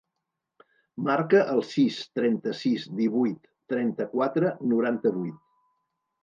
Marca el sis, trenta-sis, divuit, trenta-quatre, noranta-vuit.